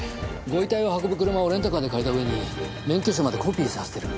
ご遺体を運ぶ車をレンタカーで借りた上に免許証までコピーさせてる。